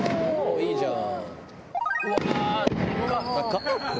いいじゃん！